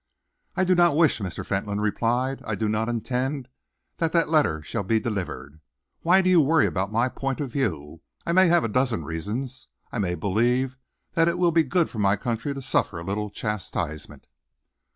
"I do not wish," Mr. Fentolin replied, "I do not intend, that that letter shall be delivered. Why do you worry about my point of view? I may have a dozen reasons. I may believe that it will be good for my country to suffer a little chastisement."